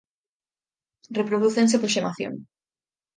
Reprodúcense por xemación.